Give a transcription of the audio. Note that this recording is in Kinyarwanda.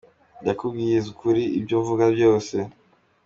ndakubwiza ukuri ibyo mvuga byose